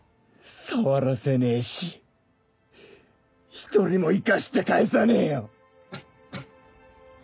触らせねえし１人も生かして帰さねえよ。